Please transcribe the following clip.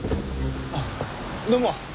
あっどうも。